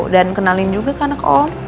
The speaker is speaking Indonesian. dan kenalin juga ke anak om